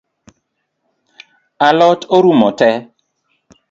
A lot orumo tee?